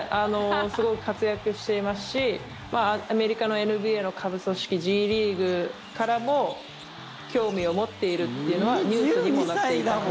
すごく活躍していますしアメリカのＮＢＡの下部組織Ｇリーグからも興味を持っているというのはニュースにもなっていたので。